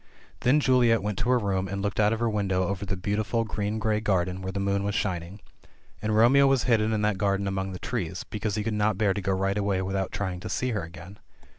Then Juliet went to her room, and looked out of her window over the beautiful green grey garden, where the moon was shining. And Romeo was hidden in that garden among the trees — because he could not bear to go right away without trying to see her again.